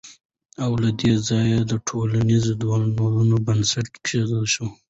او له دې ځايه د ټولنيزو دودونو بنسټ کېښودل شو